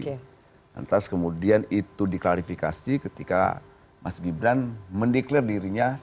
lantas kemudian itu diklarifikasi ketika mas gibran meniklir dirinya